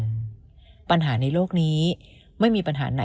แต่ว่าพี่ชายของน้องก็จริงใจและจริงจังนะ